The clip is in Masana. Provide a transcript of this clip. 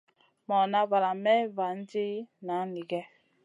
Morna valam Mey vanti nanigue.